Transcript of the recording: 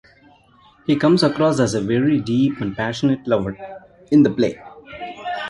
He comes across as a very deep and passionate lover in the play.